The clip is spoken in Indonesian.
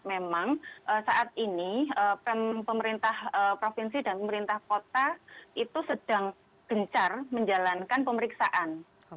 memang saat ini pemerintah provinsi dan pemerintah kota itu sedang gencar menjalankan pemeriksaan